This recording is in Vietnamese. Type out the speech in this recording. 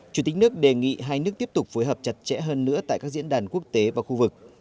chủ tịch nước đề nghị hai nước tiếp tục phối hợp chặt chẽ hơn nữa tại các diễn đàn quốc tế và khu vực